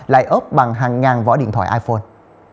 lại ớp bằng hàng ngàn vỏ điện thoại iphone